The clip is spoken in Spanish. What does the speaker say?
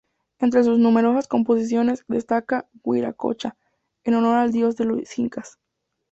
Entre sus numerosas composiciones destaca "Huiracocha" en honor al dios de los incas.